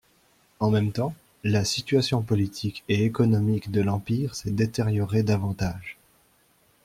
En même temps, la situation politique et économique de l'empire s'est détériorée davantage.